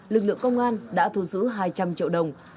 lực lượng công an đã thu giữ hai trăm linh triệu đồng